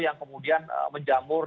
yang kemudian menjamuk